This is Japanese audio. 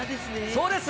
そうです。